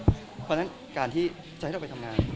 เพราะฉะนั้นการที่จะให้เราไปทำงาน